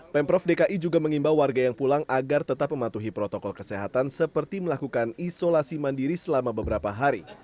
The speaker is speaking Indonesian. pemprov dki juga mengimbau warga yang pulang agar tetap mematuhi protokol kesehatan seperti melakukan isolasi mandiri selama beberapa hari